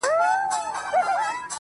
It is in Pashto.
سترګي دي هغسي نسه وې، نسه یي ـ یې کړمه.